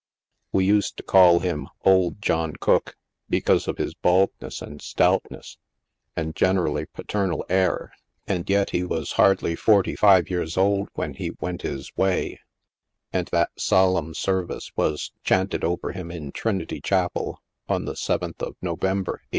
"We used to call him " old John Cooke," because of his baldness and stoutness, and generally paternal ah*, and yet he was hardly forty five years old when he went his way, and that solemn service was chanted over him in Trinity Chapel, on the 7th of November, 1865.